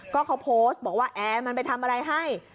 ก็เขาโพสต์บอกว่าแอร์มันไปทำอะไรให้